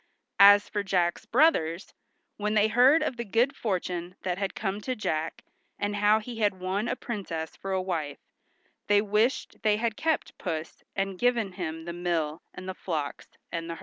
As for Jack's brothers, when they heard of the good fortune that had come to Jack, and how he had won a princess for a wife, they wished they had kept Puss and given him the mill and the flocks and herds.